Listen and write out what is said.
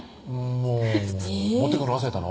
もう持ってくるの忘れたの？